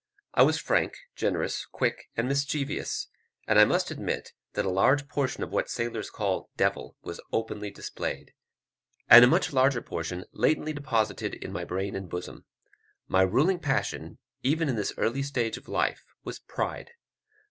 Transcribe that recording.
I was frank, generous, quick, and mischievous; and I must admit that a large portion of what sailors call "devil" was openly displayed, and a much larger portion latently deposited in my brain and bosom. My ruling passion, even in this early stage of life, was pride.